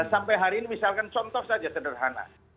sampai hari ini misalkan contoh saja sederhana